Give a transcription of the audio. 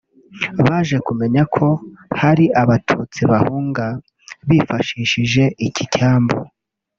Baje kumenya ko hari Abatutsi bahunga bifashishije iki cyambu